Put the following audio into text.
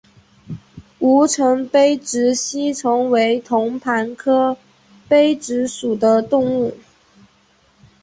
吴城杯殖吸虫为同盘科杯殖属的动物。